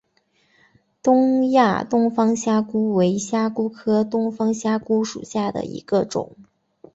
东亚东方虾蛄为虾蛄科东方虾蛄属下的一个种。